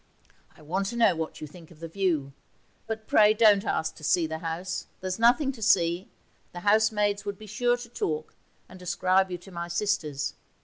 I want to know what you think of the view. But pray don't ask to see the house; there's nothing to see; the housemaids would be sure to talk, and describe you to my sisters.